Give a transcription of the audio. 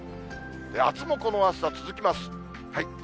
あすもこの暑さ続きます。